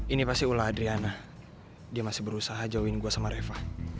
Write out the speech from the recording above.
ini pasti ula adriana dia masih berusaha jauhin gue sama reva